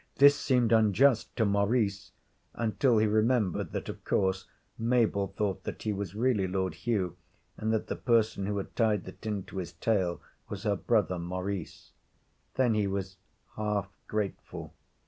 This seemed unjust to Maurice until he remembered that, of course, Mabel thought that he was really Lord Hugh, and that the person who had tied the tin to his tail was her brother Maurice. Then he was half grateful.